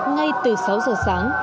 ngay từ sáu giờ sáng